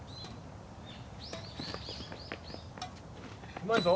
うまいぞ。